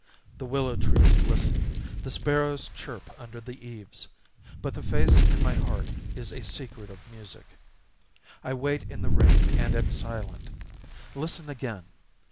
The willow trees glisten, The sparrows chirp under the eaves; but the face in my heart Is a secret of music.... I wait in the rain and am silent." Listen again!...